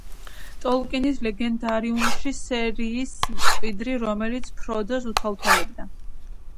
ტოლკინის ლეგენდარიუმში სერის მკვიდრი, რომელიც ფროდოს უთვალთვალებდა.